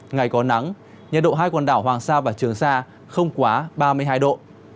ngày có nắng nhiệt độ hai quần đảo hoàng sa và trường sa không quá ba mươi hai độ